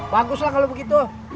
baguslah kalau begitu